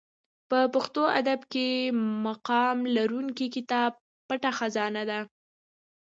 په پښتو ادب کښي مقام لرونکى کتاب پټه خزانه دئ.